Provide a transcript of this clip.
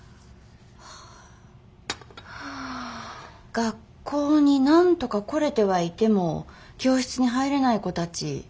学校になんとか来れてはいても教室に入れない子たち。